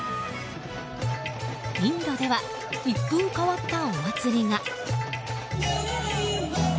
インドでは一風変わったお祭りが。